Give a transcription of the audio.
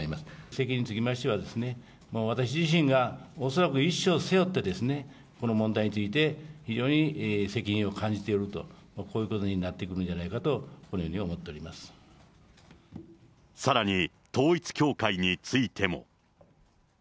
責任につきましては、私自身が恐らく一生背負ってですね、この問題について、非常に責任を感じておると、こういうことになってくるんじゃないかと、さらに、統一教会についても。